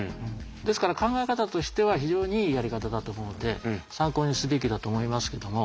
ですから考え方としては非常にいいやり方だと思うんで参考にすべきだと思いますけども。